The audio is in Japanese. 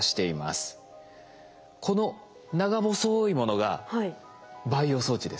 この長細いものが培養装置です。